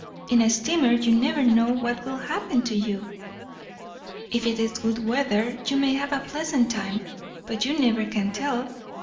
In a steamer you never know what will happen to you. If it's good weather, you may have a pleasant time; but you never can tell.